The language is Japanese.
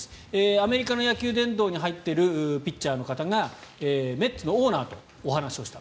アメリカの野球殿堂に入っているピッチャーの方がメッツのオーナーとお話しした。